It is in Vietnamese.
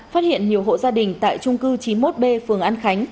phát hiện nhiều hộ gia đình tại trung cư chín mươi một b phường an khánh